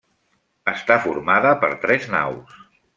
Està formada per tres naus.